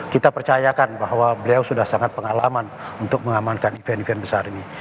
kita percayakan bahwa beliau sudah sangat pengalaman untuk mengamankan event event besar ini